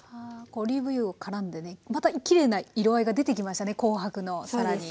オリーブ油をからんでねまたきれいな色合いが出てきましたね紅白の更に。